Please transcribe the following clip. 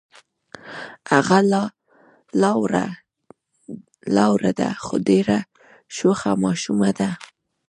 هغه لا وړه ده خو ډېره شوخه ماشومه ده.